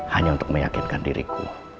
hanya untuk meyakinkan diriku